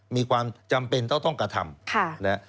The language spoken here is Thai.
มีความจำเป็นต้องกระทำ